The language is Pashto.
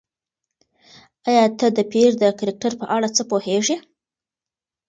ایا ته د پییر د کرکټر په اړه څه پوهېږې؟